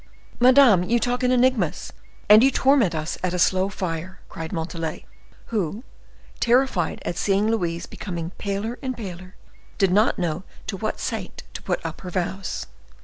"Madame, you talk in enigmas, and you torment us at a slow fire!" cried Montalais, who, terrified at seeing Louise become paler and paler, did not know to what saint to put up her vows.